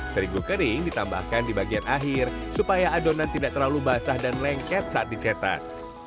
terigu kering ditambahkan di bagian akhir supaya adonan tidak terlalu basah dan lengket saat dicetak